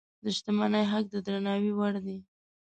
د شتمنۍ حق د درناوي وړ دی.